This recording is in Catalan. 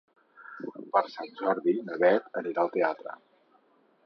Per Sant Jordi na Beth anirà al teatre.